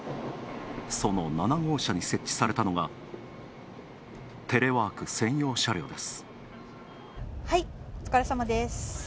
その７号車に設置されたのが、テレワーク専用車両です。